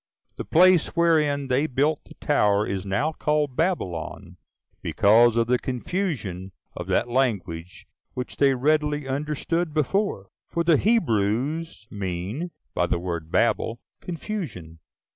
The place wherein they built the tower is now called Babylon, because of the confusion of that language which they readily understood before; for the Hebrews mean by the word Babel, confusion.